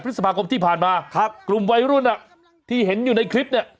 พฤษภาคมที่ผ่านมาครับกลุ่มวัยรุ่นอ่ะที่เห็นอยู่ในคลิปเนี่ย